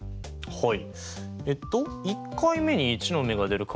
はい。